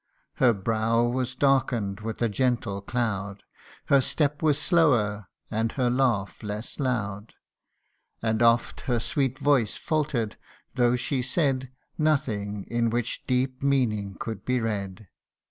Her brow was darken'd with a gentle cloud ; Her step was slower, and her laugh less loud ; And oft her sweet voice faulter'd, though she said Nothing in which deep meaning could be read.